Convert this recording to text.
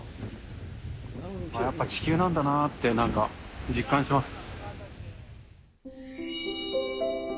やっぱ地球なんだなって実感してます。